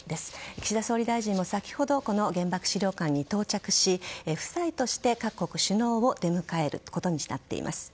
岸田総理大臣は先ほどこの原爆資料館に到着し夫妻として各国首脳を出迎えることになっています。